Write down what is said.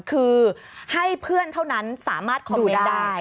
คือให้เพื่อนเท่านั้นสามารถคอมเมนต์ได้